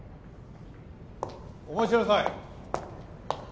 お待ちなさい。